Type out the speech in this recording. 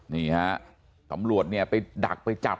นี่ฮะตำรวจเนี่ยไปดักไปจับ